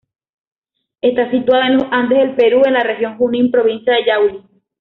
Está situada en los Andes del Perú, en la Región Junín, provincia de Yauli.